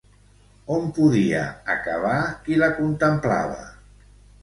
On podia acabar qui la contemplava?